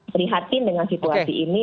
prihatin dengan situasi ini